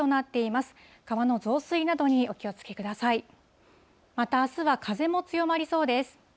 またあすは風も強まりそうです。